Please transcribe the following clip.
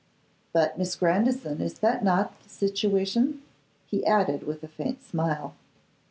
But Miss Grandison is not in that situation?' he added with a faint smile.